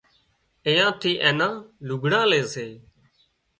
اين ٿِي اين نان لگھڙان لي سي